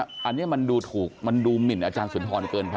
อันนี้มันดูถูกมันดูหมินอาจารย์สุนทรเกินพอ